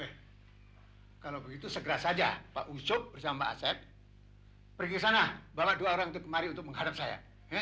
weh kalau begitu segera saja pak usop bersama pak aset pergi sana bawa dua orang kemari untuk menghadap saya